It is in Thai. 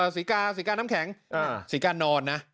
สีกาน้ำแข็งนอน